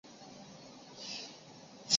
肾形逍遥蛛为逍遥蛛科逍遥蛛属的动物。